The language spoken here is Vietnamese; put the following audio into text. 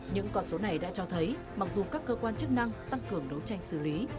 những con số này đã cho thấy mặc dù các cơ quan chức năng tăng cường đấu tranh xử lý